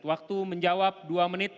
waktu menjawab dua menit